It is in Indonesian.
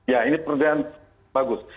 ya ini pernyataan bagus